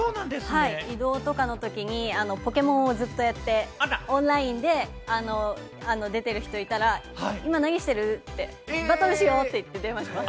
移動とかのときに『ポケモン』をずっとやってオンラインで出てる人いたら、今何してる？って、バトルしようって電話します。